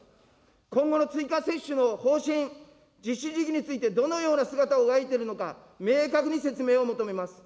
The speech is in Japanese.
今回の追加接種の方針、実施時期についてどのような姿を描いているのか、明確に説明を求めます。